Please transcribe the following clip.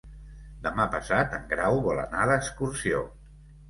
Demà passat en Grau vol anar d'excursió.